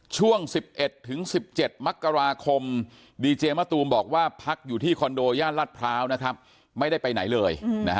ช่วง๑๑ถึง๑๗มกราคมดีเจมะตูมบอกว่าพักอยู่ที่คอนโดย่านรัฐพร้าวนะครับไม่ได้ไปไหนเลย